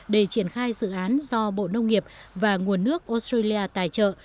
để triển khai dự án do bộ nông nghiệp và nguồn nước australia tài trợ